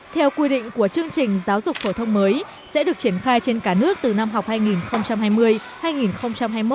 theo quy định của chương trình giáo dục phổ thông mới sẽ được triển khai trên cả nước từ năm học hai nghìn hai mươi hai nghìn hai mươi một